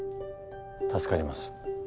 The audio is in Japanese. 助かります。